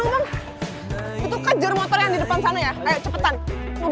kalau nunggu mam